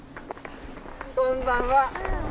こんばんは。